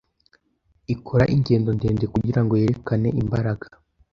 ikora ingendo ndende kugira ngo yerekane imbaraga